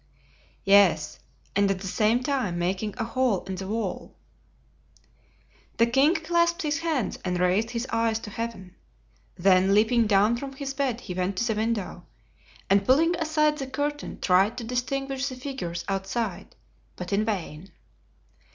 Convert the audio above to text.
"Yes, and at the same time making a hole in the wall." The king clasped his hands and raised his eyes to Heaven; then leaping down from his bed he went to the window, and pulling aside the curtain tried to distinguish the figures outside, but in vain.